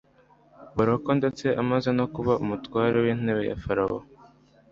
buroko , ndetse amaze no kuba umutware w'intebe wa farawo